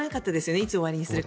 いつ終わりにするか。